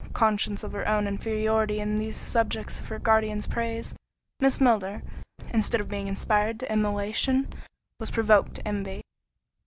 Conscious of her own inferiority in these subjects of her guardian's praise, Miss Milner, instead of being inspired to emulation, was provoked to envy.